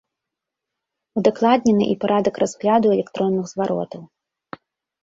Удакладнены і парадак разгляду электронных зваротаў.